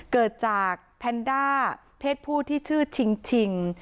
เกิดจากแพนด้าเพศผู้ที่ชื่อชิง